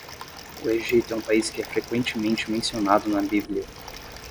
O Egito é um país que é frequentemente mencionado na Bíblia.